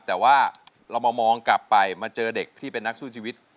แต่ว่าเรามามองกลับไปมาเจอเด็กที่เป็นนักสู้ชีวิต